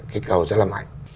kích cầu rất là mạnh